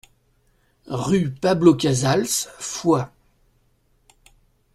Rue Pablo Casals, Foix